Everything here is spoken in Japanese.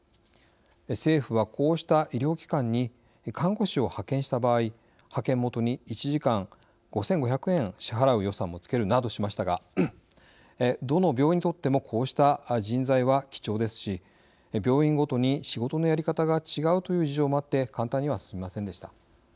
政府はこうした医療機関に看護師を派遣した場合派遣元に１時間５，５００円支払う予算も付けるなどしましたがどの病院にとってもこうした人材は貴重ですし病院ごとに仕事のやり方が違うという事情もあって簡単には進みませんでした。